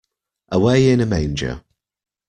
Away in a Manger.